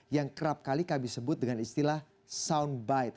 yang kerap kali kami sebut dengan istilah soundbite